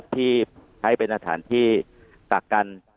ที่ใช้เป็นสถานที่ตากกัน